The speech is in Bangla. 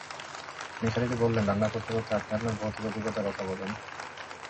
নিসার আলি বললেন, রান্না করতে-করতে আপনি আপনার ভৌতিক অভিজ্ঞতার কথা বলুন।